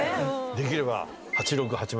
できれば。